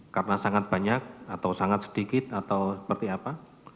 karena sangat banyak atau sangat sedikit atau seperti apa